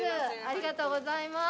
ありがとうございます。